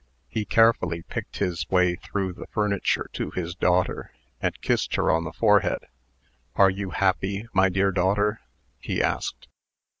He carefully picked his way through the furniture to his daughter, and kissed her on the forehead. "Are you happy, my dear daughter?" he asked.